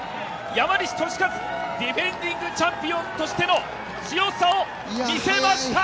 山西利和、ディフェンディングチャンピオンとしての強さを見せました！